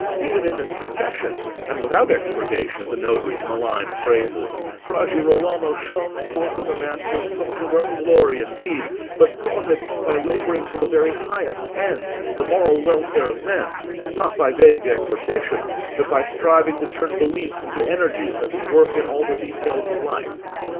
Even in this confession, and without expurgation of the notary's malign phrases, Fra Girolamo shone forth as a man who had sought his own glory indeed, but sought it by labouring for the very highest end—the moral welfare of men—not by vague exhortations, but by striving to turn beliefs into energies that would work in all the details of life.